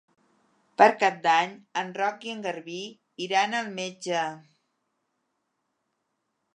Per Cap d'Any en Roc i en Garbí iran al metge.